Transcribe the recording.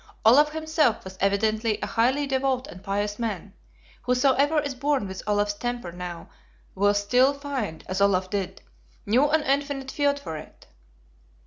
Olaf himself was evidently a highly devout and pious man; whosoever is born with Olaf's temper now will still find, as Olaf did, new and infinite field for it!